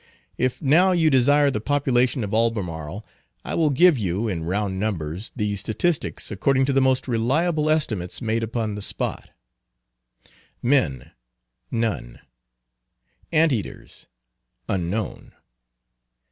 If now you desire the population of Albemarle, I will give you, in round numbers, the statistics, according to the most reliable estimates made upon the spot: Men, none. Ant eaters, unknown.